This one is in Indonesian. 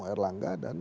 bertemu erlangga dan